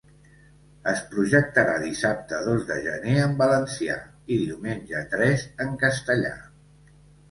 Es projectarà dissabte dos de gener en valencià i diumenge tres en castellà.